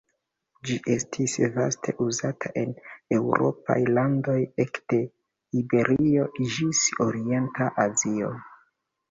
Ĝi estis vaste uzata en eŭropaj landoj ekde Iberio ĝis orienta Azio.